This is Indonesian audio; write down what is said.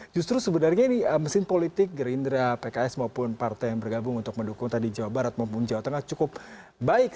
justru sebenarnya ini mesin politik gerindra pks maupun partai yang bergabung untuk mendukung tadi jawa barat maupun jawa tengah cukup baik